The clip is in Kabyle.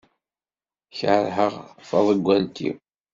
Keṛheɣ taḍeggalt-iw.